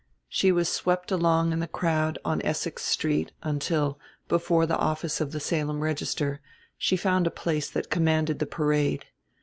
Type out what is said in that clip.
She was swept along in the crowd on Essex Street until, before the office of the Salem Register, she found a place that commanded the parade.